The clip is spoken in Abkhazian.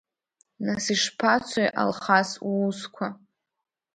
Нас, ишԥацои, Алхас, уусқәа?